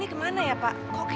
apa pada ayah burada